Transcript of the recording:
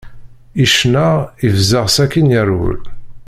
Icneɛ, ifẓeɛ sakin yerwel.